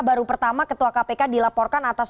baru pertama ketua kpk dilaporkan atas